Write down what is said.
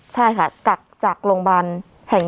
ใช่ค่ะกักจากโรงพยาบาลแห่ง๑